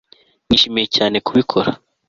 Nishimiye cyane kubikora